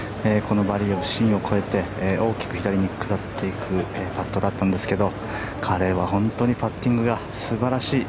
バレー・オブ・シンを越えて大きく左に下っていくパットだったんですけど彼は本当にパッティングが素晴らしい。